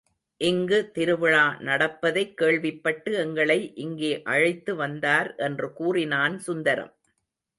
இங்கு திருவிழா நடப்பதைக் கேள்விப் பட்டு எங்களை இங்கே அழைத்து வந்தார் என்று கூறினான் சுந்தரம்.